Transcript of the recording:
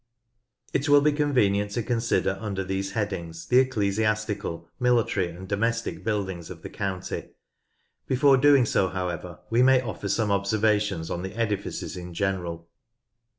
It will be convenient to consider under these headings the ecclesiastical, military, and domestic buildings of the county. Before doing so, however, we may offer some observations on the edifices in general.